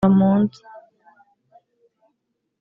muntu n’umwe wari uhari. Twari tuvuye gucuruza twicara munsi